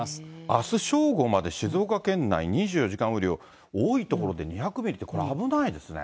あす正午まで静岡県内、２４時間雨量、多い所で２００ミリって、これ、危ないですね。